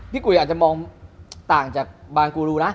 กุยอาจจะมองต่างจากบางกูรูนะ